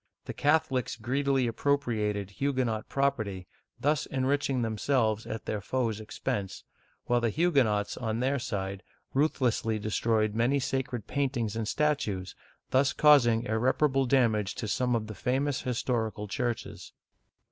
The Catholics greedily appropriated Huguenot property, thus enriching themselves at their foes* expense, while the Huguenots, on their side, ruthlessly destroyed many sacred paintings and statues, thus causing irreparable damage to some of the famous historical churches.